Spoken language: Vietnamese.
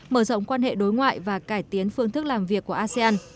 mở rộng quan hệ đối ngoại và cải tiến phương thức làm việc của asean